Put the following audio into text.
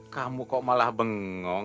kamu kok malah bengong